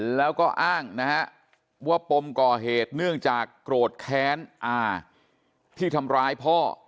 แล้วก็อ้างนะฮะว่าปมก่อเหตุเนื่องจากโกรธแค้นอาที่ทำร้ายพ่อ